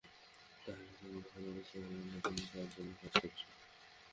তাহলে তুমি কখনই বুঝতে পারবেন না তুমি কার জন্য কাজ করছো।